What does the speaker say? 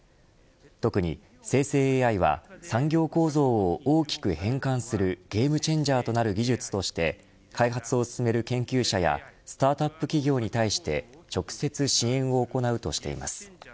特に、生成ＡＩは産業構造を大きく変換するゲームチェンジャーとなる技術として開発を進める研究者やスタートアップ企業に対して直接支援を行うとしています。